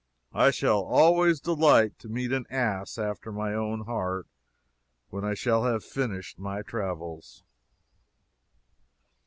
I shall always delight to meet an ass after my own heart when I shall have finished my travels.